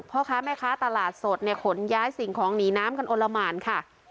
พ่อค้าแม่ค้าตลาดสดเนี่ยขนย้ายสิ่งของหนีน้ำกันอลละหมานค่ะ